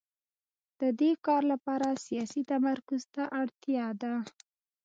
د دې کار لپاره سیاسي تمرکز ته اړتیا ده